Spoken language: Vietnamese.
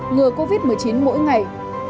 ngừa covid một mươi chín mỗi ngày